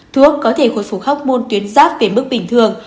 thuốc có thể khuất phục học môn tuyến giáp về mức bình thường